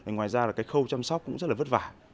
ngoài ra là cái khâu chăm sóc cũng rất là vất vả